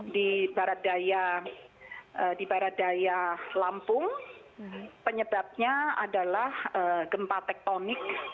di barat daya lampung penyebabnya adalah gempa tektonik